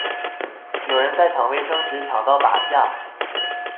有人在抢卫生纸抢到打架